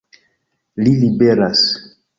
Li liberas!